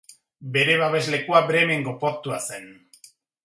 Bere babeslekua Bremengo portua zen.